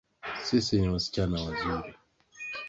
Sisi ni wasichana wazuri